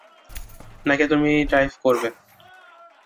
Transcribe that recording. নাকি তুমিই ড্রাইভ করবে?